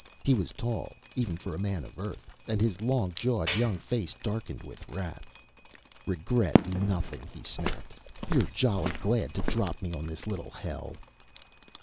He was tall, even for a man of Earth, and his long jawed young face darkened with wrath. "Regret nothing," he snapped. "You're jolly glad to drop me on this little hell."